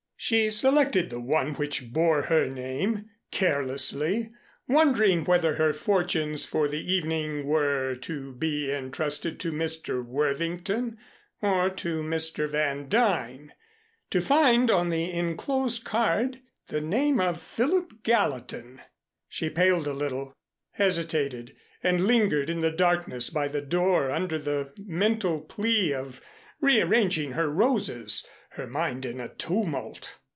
She selected the one which bore her name, carelessly, wondering whether her fortunes for the evening were to be entrusted to Mr. Worthington or to Mr. Van Duyn, to find on the enclosed card the name of Philip Gallatin. She paled a little, hesitated and lingered in the darkness by the door under the mental plea of rearranging her roses, her mind in a tumult.